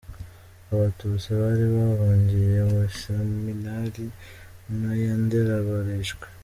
Abatutsi bari bahungiye mu iseminari nto ya Ndera barishwe.